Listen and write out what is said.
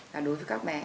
và đối với các bé